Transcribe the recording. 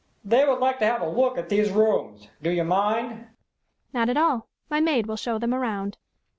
They would like to have a look at these rooms. Do you mind?" "Not at all. My maid will show them around."